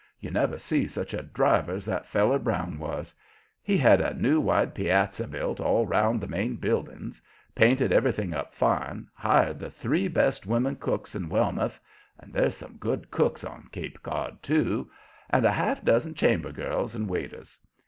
You never see such a driver as that feller Brown was. He had a new wide piazza built all 'round the main buildings, painted everything up fine, hired the three best women cooks in Wellmouth and there's some good cooks on Cape Cod, too and a half dozen chamber girls and waiters.